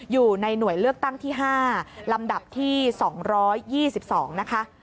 อยู่ในหน่วยเลือกตั้งที่๕ลำดับที่๒๒นะคะ